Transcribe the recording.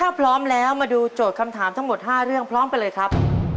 ถ้าพร้อมแล้วมาดูโจทย์คำถามทั้งหมด๕เรื่องพร้อมกันเลยครับ